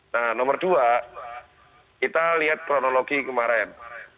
nah nomor dua kita lihat kronologi kemarin